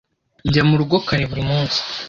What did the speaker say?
Njya murugo kare buri munsi.